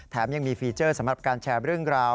ยังมีฟีเจอร์สำหรับการแชร์เรื่องราว